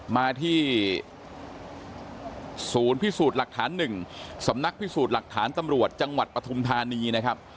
มาที่ศูนย์พิสูจน์หลักฐาน๑สำนักพิสูจน์หลักฐานตำรวจจังหวัดปฐุมธานีนะครับ